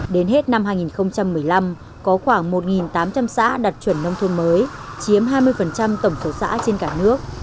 đến hết năm hai nghìn một mươi năm có khoảng một tám trăm linh xã đạt chuẩn nông thôn mới chiếm hai mươi tổng số xã trên cả nước